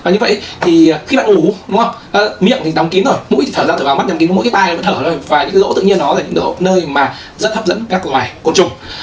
như vậy thì khi bạn ngủ miệng thì đóng kín rồi mũi thì thở ra thở vào mắt đóng kín mũi cái tai nó thở ra và những rỗ thực nhiên đó là những nơi mà rất hấp dẫn các loài côn trùng